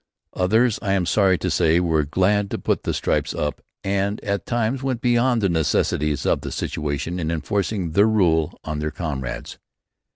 Others, I am sorry to say, were glad to put the stripes up and at times went beyond the necessities of the situation in enforcing their rule on their comrades.